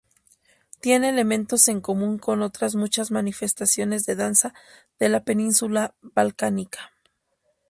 Tiene elementos en común con otras muchas manifestaciones de danza de la Península Balcánica.